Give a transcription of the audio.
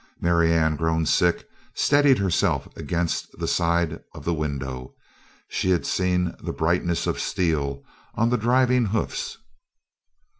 Marianne, grown sick, steadied herself against the side of the window; she had seen the brightness of steel on the driving hoofs.